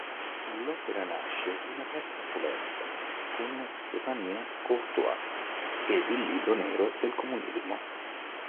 L'opera nasce in aperta polemica con Stéphane Courtois ed "Il libro nero del comunismo".